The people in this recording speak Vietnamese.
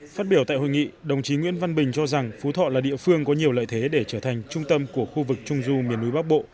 phát biểu tại hội nghị đồng chí nguyễn văn bình cho rằng phú thọ là địa phương có nhiều lợi thế để trở thành trung tâm của khu vực trung du miền núi bắc bộ